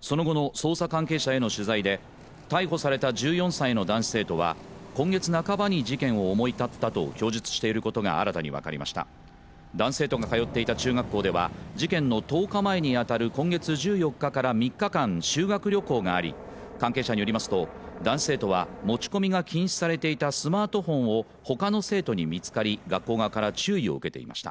その後の捜査関係者への取材で逮捕された１４歳の男子生徒は今月半ばに事件を思い立ったと供述していることが新たに分かりました男子生徒がかよっていた中学校では事件の１０日前にあたる今月１４日から３日間修学旅行があり関係者によりますと男子生徒は持ち込みが禁止されていたスマートフォンをほかの生徒に見つかり学校側から注意を受けていました